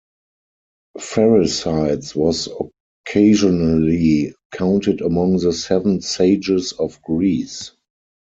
Pherecydes was occasionally counted among the Seven Sages of Greece.